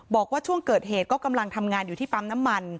บอกว่าช่วงเกิดเหตุก็กำลังทำงานอยู่ที่ปั๊มน้ำมัน